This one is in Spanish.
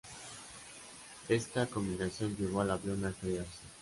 Esta combinación llevó al avión a estrellarse.